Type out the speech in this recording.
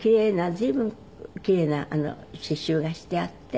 随分奇麗な刺繍がしてあって。